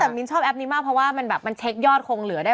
แต่มิ้นชอบแอปนี้มากเพราะว่ามันแบบมันเช็คยอดคงเหลือได้